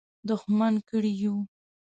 دښمن کړي یو.